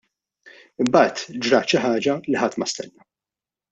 Imbagħad ġrat xi ħaġa li ħadd ma stenna.